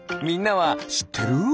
みんなはしってる？